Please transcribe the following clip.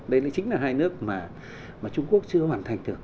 đây chính là hai nước mà trung quốc chưa hoàn thành được